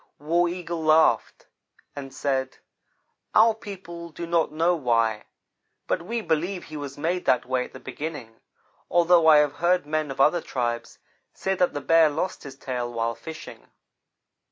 War Eagle laughed and said: "Our people do not know why, but we believe he was made that way at the beginning, although I have heard men of other tribes say that the Bear lost his tail while fishing.